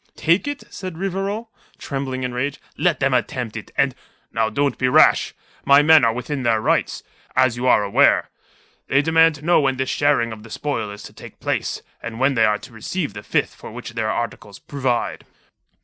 "Take it?" said Rivarol, trembling in his rage. "Let them attempt it, and...." "Now don't be rash. My men are within their rights, as you are aware. They demand to know when this sharing of the spoil is to take place, and when they are to receive the fifth for which their articles provide."